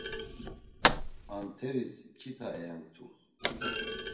Anteris mç̌ita eyanktu.